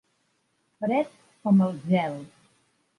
Fred com el gel.